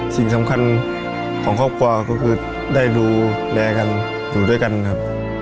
สิ่งสำคัญของครอบครัวก็คือได้ดูแลกันอยู่ด้วยกันครับ